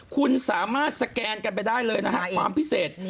คุณสามารถสแกนกันไปได้เลยนะฮะความพิเศษ